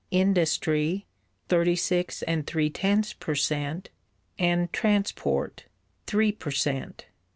industry (thirty six and three tenths per cent.), and transport (three per cent.)